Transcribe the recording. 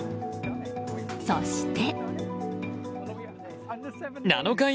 そして。